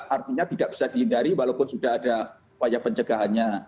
artinya tidak bisa dihindari walaupun sudah ada upaya pencegahannya